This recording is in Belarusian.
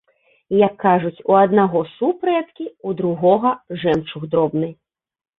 Як кажуць, у аднаго суп рэдкі, у другога жэмчуг дробны.